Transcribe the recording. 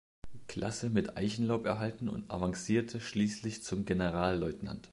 Klasse mit Eichenlaub erhalten und avancierte schließlich zum Generalleutnant.